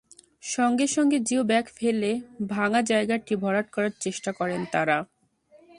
সঙ্গে সঙ্গে geo bag ফেলে ভাঙা জায়গাটি ভরাট করার চেষ্টা করেন তাঁরা।